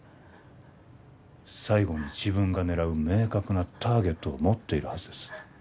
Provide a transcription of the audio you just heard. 最後に自分が狙う明確なターゲットを持っているはずです